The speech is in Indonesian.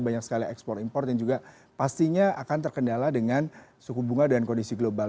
banyak sekali ekspor import dan juga pastinya akan terkendala dengan suku bunga dan kondisi global